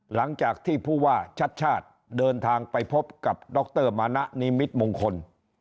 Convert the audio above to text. หลังจากที่ผู้ว่าชัดชาติเดินทางไปพบกับดรมานะนิมิตมงคล